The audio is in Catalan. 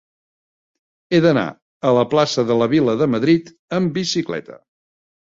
He d'anar a la plaça de la Vila de Madrid amb bicicleta.